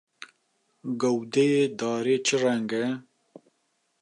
Gewdeyê darê çi reng e?